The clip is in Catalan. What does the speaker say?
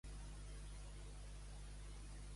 Qui siga lladre, que siga valent.